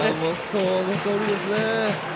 そのとおりですね。